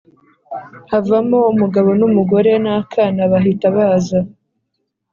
havamo umugabo n’umugore n’akana bahita baza